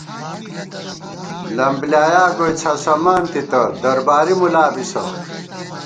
لم بۡلیایا گوئی څھسَمانتی تہ درباری مُلا بِسہ